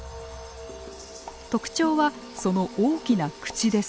特徴はその大きな口です。